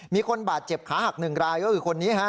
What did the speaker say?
มีคนบาดเจ็บขาหัก๑รายก็คือคนนี้ฮะ